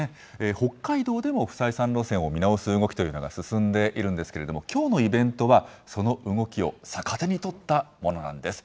北海道でも不採算路線を見直す動きというのが進んでいるんですけれども、きょうのイベントは、その動きを逆手に取ったものなんです。